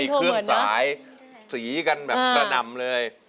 เครื่องสายสีกันแบบกระหน่ำเลย